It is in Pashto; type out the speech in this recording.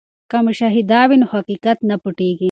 که مشاهده وي نو حقیقت نه پټیږي.